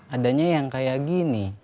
adanya yang kayak gini